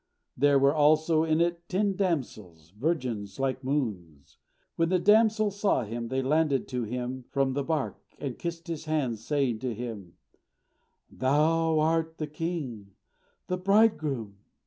There were also in it ten damsels, virgins, like moons. When the damsels saw him, they landed to him from the bark, and kissed his hands, saying to him, "Thou art the king, the bridegroom."